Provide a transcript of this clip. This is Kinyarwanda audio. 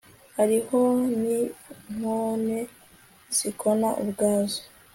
hariho ni nkone zīkona ubwazo